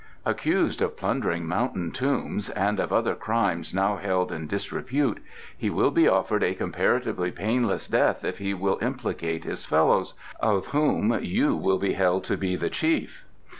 "Accused of plundering mountain tombs and of other crimes now held in disrepute, he will be offered a comparatively painless death if he will implicate his fellows, of whom you will be held to be the chief.